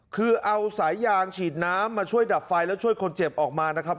คือเอาสายยางฉีดน้ำมาช่วยดับไฟแล้วช่วยคนเจ็บออกมานะครับ